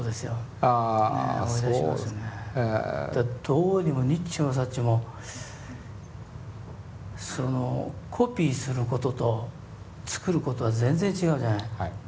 どうにもにっちもさっちもそのコピーすることと作ることは全然違うじゃない。